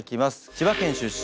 千葉県出身。